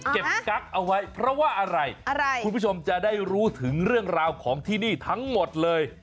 กั๊กเอาไว้เพราะว่าอะไรคุณผู้ชมจะได้รู้ถึงเรื่องราวของที่นี่ทั้งหมดเลย